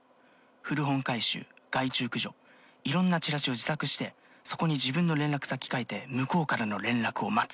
「“古本回収”“害虫駆除”色んなチラシを自作してそこに自分の連絡先書いて向こうからの連絡を待つ！」